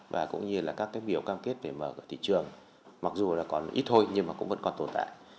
và cũng như là các cái biểu cam kết về mở cửa thị trường mặc dù là còn ít thôi nhưng mà cũng vẫn còn tồn tại